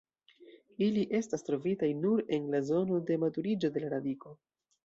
Ili estas trovitaj nur en la zono de maturiĝo de la radiko.